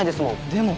でも。